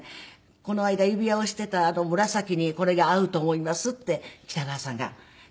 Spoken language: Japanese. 「この間指輪をしていた紫にこれが合うと思います」って北川さんが。